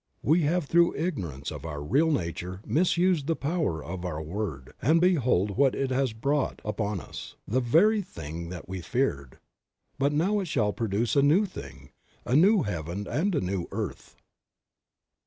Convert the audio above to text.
We have through ignorance of our real nature misused the power of our word, and behold what it has brought upon us, "the very thing that we feared." But now it shall produce a new thing, a new heaven and a new earth.